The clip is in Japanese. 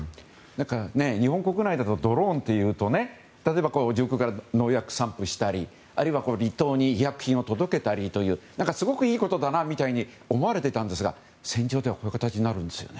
日本国内だとドローンというと上空から農薬を散布したりあるいは離島に医薬品を届けたりというすごくいいことみたいに思われてたんですが、戦場ではこういう形になるんですね。